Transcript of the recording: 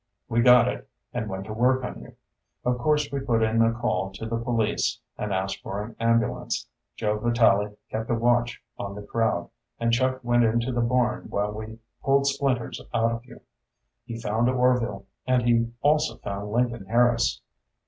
We got it, and went to work on you. Of course we put in a call to the police, and asked for an ambulance. Joe Vitalli kept a watch on the crowd and Chuck went into the barn while we pulled splinters out of you. He found Orvil, and he also found Lincoln Harris."